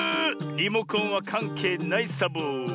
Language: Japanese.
リモコンはかんけいないサボ。